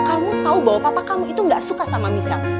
kamu tau bahwa papa kamu itu ga suka sama misa